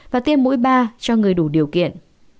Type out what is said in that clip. và tiêm mũi ba cho người đủ điều kiện